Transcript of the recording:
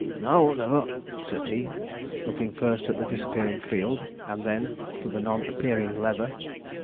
'Now or never,' said he, looking first at the disappearing field, and then for the non appearing Leather.